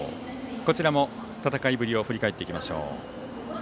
こちらも戦いぶりを振り返っていきましょう。